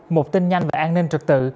một tin nhanh và an ninh trực tự